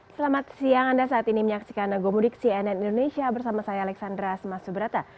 selamat siang anda saat ini menyaksikan gomudik cnn indonesia bersama saya alexandra semasubrata